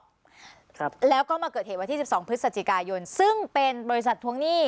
ครับแล้วก็มาเกิดเหตุวันที่สิบสองพฤศจิกายนซึ่งเป็นบริษัททวงหนี้